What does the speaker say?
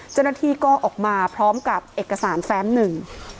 เจ้าหน้าที่ก็ออกมาพร้อมกับเอกสารแฟ้มหนึ่ง